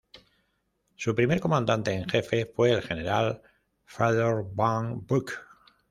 Su primer comandante en jefe fue el general Fedor von Bock.